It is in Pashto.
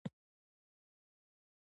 خالص په رښتیا دی او زه په درواغو یم.